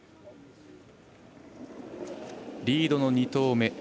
リードの２投目。